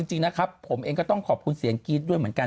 จริงนะครับผมเองก็ต้องขอบคุณเสียงกรี๊ดด้วยเหมือนกัน